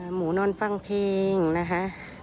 หนูนอนฟังเพลงนะคะ